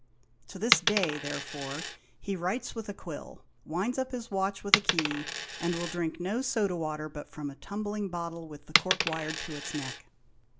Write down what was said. To this day, therefore, he writes with a quill, winds up his watch with a key, and will drink no soda water but from a tumbling bottle with the cork wired to its neck.